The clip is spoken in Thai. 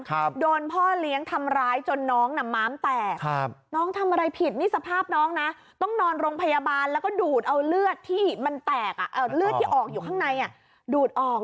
โดนพ่อเลี้ยงทำร้ายจนน้องน่ะม้ามแตกครับน้องทำอะไรผิดนี่สภาพน้องนะต้องนอนโรงพยาบาลแล้วก็ดูดเอาเลือดที่มันแตกอ่ะเอ่อเลือดที่ออกอยู่ข้างในอ่ะดูดออก